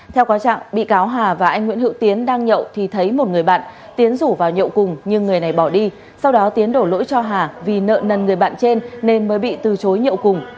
theo quá trạng bị cáo hà và anh nguyễn hữu tiến đang nhậu thì thấy một người bạn tiến rủ vào nhậu cùng nhưng người này bỏ đi sau đó tiến đổ lỗi cho hà vì nợ nần người bạn trên nên mới bị từ chối nhậu cùng